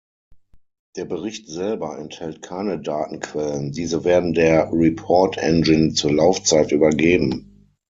Der Bericht selber enthält keine Datenquellen, diese werden der Report-Engine zur Laufzeit übergeben.